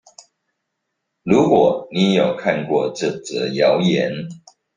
如果你也有看過這則謠言